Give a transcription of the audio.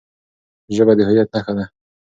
ژبه د هويت نښه ده.